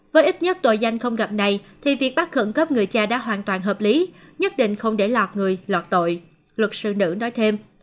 với ít nhất tội danh không gặp này thì việc bắt khẩn cấp người cha đã hoàn toàn hợp lý nhất định không để lọt người lọt tội luật sư nữ nói thêm